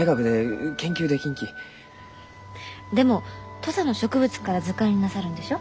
でも土佐の植物から図鑑になさるんでしょ？